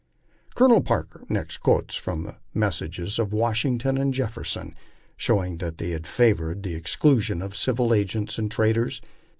Colonel Parker next quotes from messages of Washington and Jefferson, showing that they had favored the exclusion of civil agents and traders.